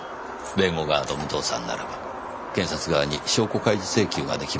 弁護側の武藤さんならば検察側に証拠開示請求ができますよね？